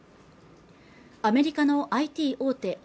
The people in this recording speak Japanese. アメリカのＩＴ大手